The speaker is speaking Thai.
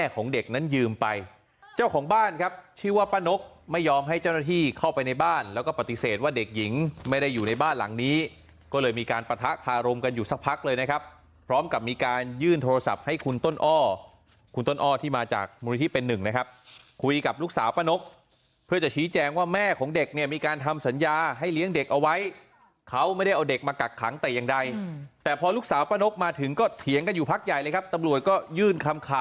ของเด็กนั้นยืมไปเจ้าของบ้านครับชื่อว่าป้านกไม่ยอมให้เจ้าหน้าที่เข้าไปในบ้านแล้วก็ปฏิเสธว่าเด็กหญิงไม่ได้อยู่ในบ้านหลังนี้ก็เลยมีการปะทะพาลมกันอยู่สักพักเลยนะครับพร้อมกับมีการยื่นโทรศัพท์ให้คุณต้นอ้อคุณต้นอ้อที่มาจากบูรณฐฐิเป็นหนึ่งนะครับคุยกับลูกสาวป้านกเพื่อ